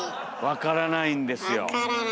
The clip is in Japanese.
わからないんです。